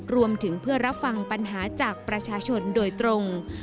รวมถึงเพื่อรับฟังปัญหาจากประชาชนโดยตรง